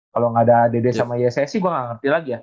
kalau gak ada dede sama yesaya sih gue gak ngerti lagi ya